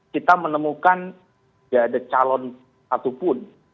kita menemukan tidak ada calon satupun